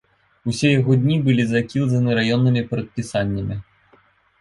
Усе яго дні былі закілзаны раённымі прадпісаннямі.